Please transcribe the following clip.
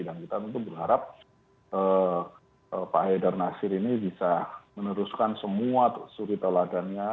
dan kita tentu berharap pak haidar nasir ini bisa meneruskan semua suri tauladannya